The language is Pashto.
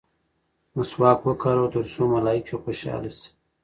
مسواک وکاروه ترڅو ملایکې خوشحاله شي.